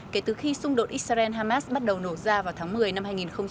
kể từ khi xung đột israel hamas bắt đầu nổ ra vào tháng một mươi năm hai nghìn một mươi ba